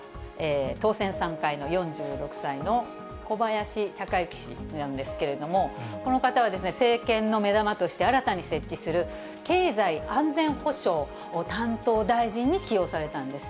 当選３回の４６歳の小林鷹之氏なんですけれども、この方は政権の目玉として新たに設置する経済安全保障担当大臣に起用されたんです。